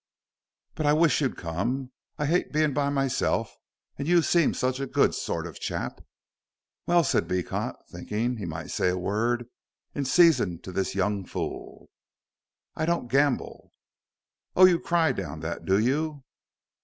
"But I wish you'd come. I hate being by myself and you seem such a good sort of chap." "Well," said Beecot, thinking he might say a word in season to this young fool, "I don't gamble." "Oh, you cry down that, do you?"